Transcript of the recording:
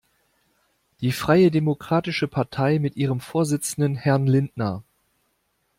Die freie Demokratische Partei mit ihrem Vorsitzenden Herrn Lindner.